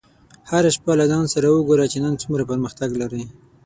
هره شپه له ځان سره وګوره چې نن څومره پرمختګ لرې.